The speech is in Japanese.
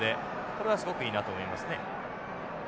これはすごくいいなと思いますね。